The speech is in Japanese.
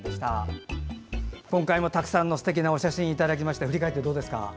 今回もたくさんのすてきなお写真をいただきまして振り返ってどうですか。